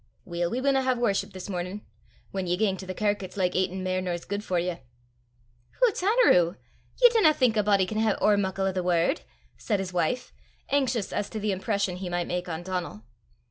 "Weel, we winna hae worship this mornin'; whan ye gang to the kirk it's like aitin' mair nor's guid for ye." "Hoots, Anerew! ye dinna think a body can hae ower muckle o' the word!" said his wife, anxious as to the impression he might make on Donal.